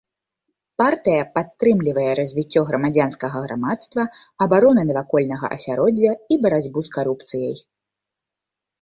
Партыя падтрымлівае развіццё грамадзянскага грамадства, абароны навакольнага асяроддзя і барацьбу з карупцыяй.